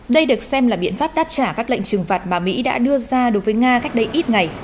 đây được xem là biện pháp đáp trả các lệnh trừng phạt mà mỹ đã đưa ra đối với nga cách đây ít ngày